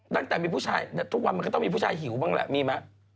ตั้งแต่มีผู้ชายทุกวันมันก็ต้องมีผู้ชายหิวบ้างแหละมีไหม